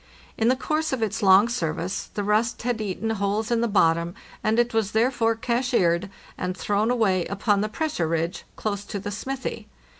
In the course of its long service the rust had eaten holes in the bottom, and it was therefore cashiered, and thrown away upon the pressure ridge close to the smithy.